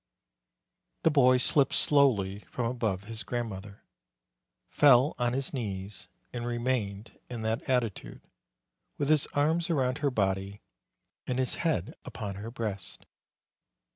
The boy slipped slowly from above his grandmother, fell on his knees, and remained in that attitude, with his arms around her body and his head upon her breast.